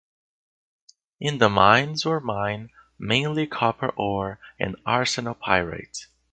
In the mines were mined mainly copper ore and arsenopyrite.